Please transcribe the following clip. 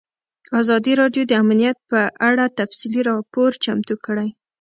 ازادي راډیو د امنیت په اړه تفصیلي راپور چمتو کړی.